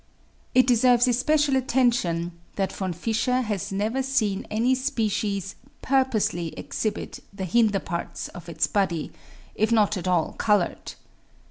It deserves especial attention that Von Fischer has never seen any species purposely exhibit the hinder part of its body, if not at all coloured.